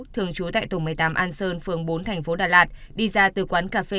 thường trú tại tổ một mươi tám an sơn phường bốn thành phố đà lạt đi ra từ quán cà phê